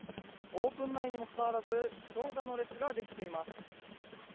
オープン前にもかかわらず長蛇の列ができています。